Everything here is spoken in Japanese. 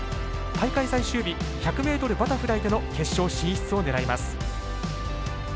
大会最終日１００ｍバタフライでの決勝進出を狙います。